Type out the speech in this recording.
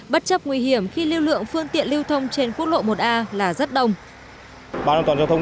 bất chấp nguy hiểm khi lưu lượng phương tiện lưu thông trên quốc lộ một a là rất đông